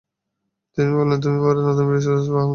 তিনি বলেন, তুমি পরে নতুন বীজ বপন করতে পারবে।